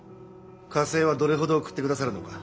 加勢はどれほど送ってくださるのか？